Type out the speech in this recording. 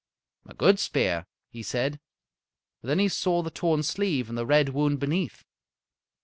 "A good spear," he said. Then he saw the torn sleeve and the red wound beneath.